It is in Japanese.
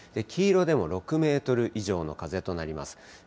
黄色でも６メートル以上の風となります。